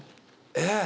えっ⁉